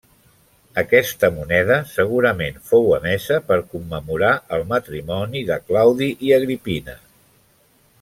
Aquesta moneda segurament fou emesa per commemorar el matrimoni de Claudi i Agripina.